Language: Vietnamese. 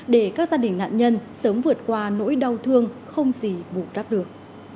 để các gia đình nạn nhân sớm vượt qua nỗi đau thương không gì bù đắp được